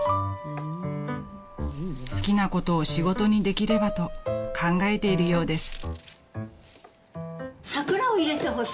［好きなことを仕事にできればと考えているようです］